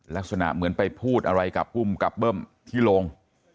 ลักษณะเหมือนไปพูดอะไรกับภูมิกับเบิ้มที่ลง